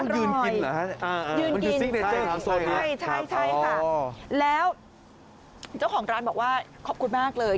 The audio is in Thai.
อร่อยมันคือซิกเนเจอร์ใช่ค่ะแล้วเจ้าของร้านบอกว่าขอบคุณมากเลย